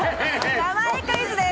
名前クイズです。